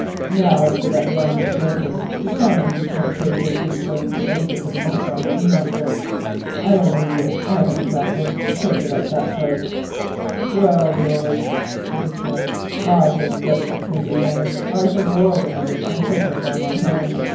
Now as for that varmint, Janter, to tell me that he can't pay fifteen shillings an acre for the Moat Farm, is nonsense. I only wish I had the capital to take it at the price, that I du." "Well, George," said the Squire, "I think that if it can be managed I shall borrow the money and take the farm on hand.